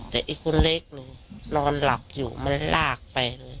แต่ไอ้คนเล็กนี่นอนหลับอยู่มันลากไปเลย